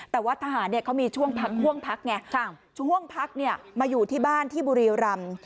แต่ว่าทหารเขามีช่วงพักช่วงพักไงช่วงพักมาอยู่ที่บ้านที่บุรีรำ